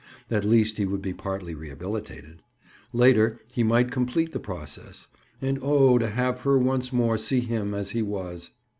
At least, he would be partly rehabilitated. Later, he might complete the process. And oh, to have her once more see him as he was.